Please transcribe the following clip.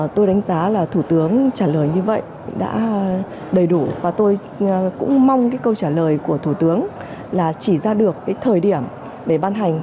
tôi đánh giá là thủ tướng trả lời như vậy đã đầy đủ và tôi cũng mong cái câu trả lời của thủ tướng là chỉ ra được cái thời điểm để ban hành